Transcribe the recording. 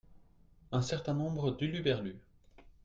Un certains nombre d'huluberlus.